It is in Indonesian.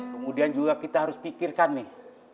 kemudian juga kita harus pikirkan nih